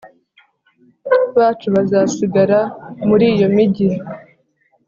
Bacu bazasigara muri iyo migi